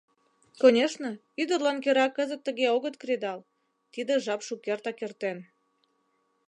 — Конешне, ӱдырлан кӧра кызыт тыге огыт кредал, тиде жап шукертак эртен.